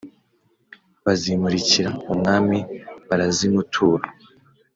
bazimurikira umwami barazimutura.